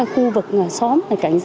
khu vực xóm